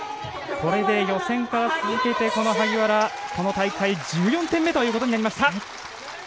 これで予選から続けて萩原、この大会１４点目ということになりました。